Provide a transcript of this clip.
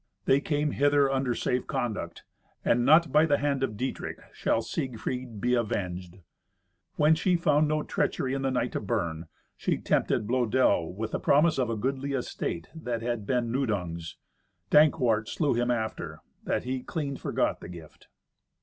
They came hither under safe conduct, and not by the hand of Dietrich shall Siegfried be avenged." When she found no treachery in the knight of Bern, she tempted Blœdel with the promise of a goodly estate that had been Nudung's. Dankwart slew him after, that he clean forgot the gift.